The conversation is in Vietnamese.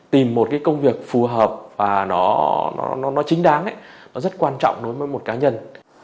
tìm một công việc phù hợp và nó chính đáng nó rất quan trọng đối với một cá nhân